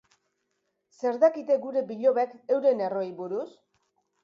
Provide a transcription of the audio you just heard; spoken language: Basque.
Zer dakite gure bilobek euren erroei buruz?